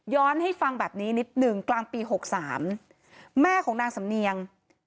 ให้ฟังแบบนี้นิดหนึ่งกลางปี๖๓แม่ของนางสำเนียง